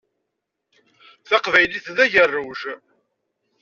Taqbaylit d agerruj.